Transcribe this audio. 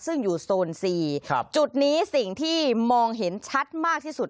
ซึ่งอยู่โซนซีครับจุดนี้สิ่งที่มองเห็นชัดมากที่สุด